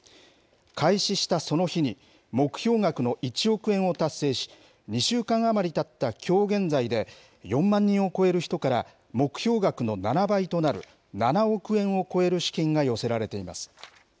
開始したその日に、目標額の１億円を達成し、２週間余りたったきょう現在で、４万人を超える人から、目標額の７倍となる７億円を超える資金が寄せられています。